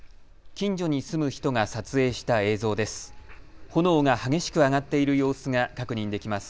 近所に住む人が撮影した映像です。